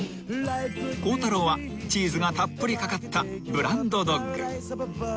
［孝太郎はチーズがたっぷり掛かったブランドドッグ］